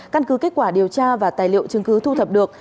căn cứ kết quả điều tra và tài liệu chứng cứ thu thập được